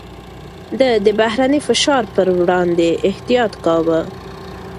ده د بهرني فشار پر وړاندې احتياط کاوه.